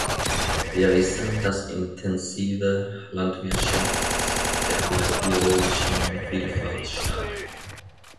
Wir wissen, dass intensive Landwirtschaft der biologischen Vielfalt schadet.